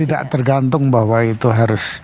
tidak tergantung bahwa itu harus